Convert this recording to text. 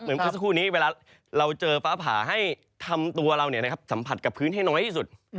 เมื่อสักครู่นี้เวลาเราเจอฟ้าผ่าให้ทำตัวเราสัมผัสกับพื้นให้น้อยที่สุด